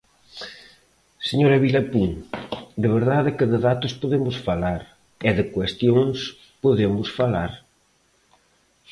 Señora Vilapún, de verdade que de datos podemos falar e de cuestións podemos falar.